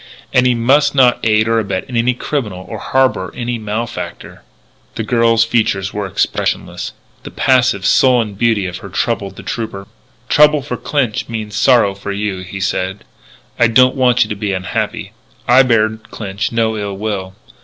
And he must not aid or abet any criminal, or harbour any malefactor." The girl's features were expressionless. The passive, sullen beauty of her troubled the trooper. "Trouble for Clinch means sorrow for you," he said. "I don't want you to be unhappy. I bear Clinch no ill will.